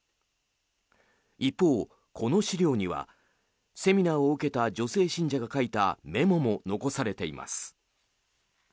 一方、この資料にはセミナーを受けた女性信者が書いたメモも残されています。